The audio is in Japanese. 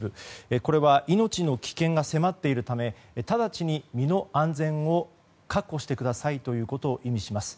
これは命の危険が迫っているため直ちに身の安全を確保してくださいということを意味します。